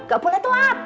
gak boleh tuat